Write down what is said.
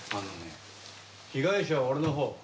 「被害者は俺のほう」